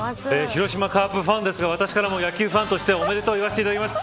広島カープファンですが私からも野球ファンとしておねでとうを言わせていただきます。